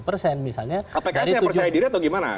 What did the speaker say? pksnya percaya diri atau gimana